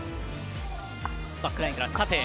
バックラインから縦へ。